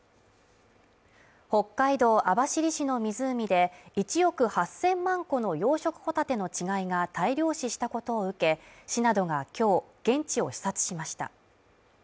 北海道網走市の湖で１億８，０００万個の養殖ホタテの稚貝が大量死したことを受け、市などが今日現地を視察しました。